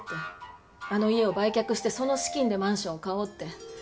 あの家を売却してその資金でマンションを買おうって。